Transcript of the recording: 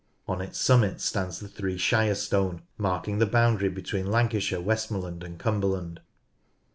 On its summit stands the Three Shire Stone marking the boundary between Lancashire, Westmorland, and Cumberland.